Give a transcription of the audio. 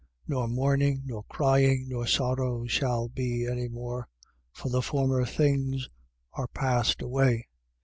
Nor mourning, nor crying, nor sorrow shall be any more, for the former things are passed away.